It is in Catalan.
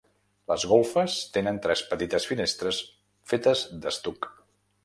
Les golfes tenen tres petites finestres fetes d'estuc.